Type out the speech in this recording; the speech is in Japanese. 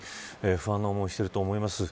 不安な思いをしていると思います。